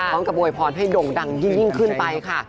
กับโวยพรให้ด่งดังยิ่งขึ้นไปค่ะ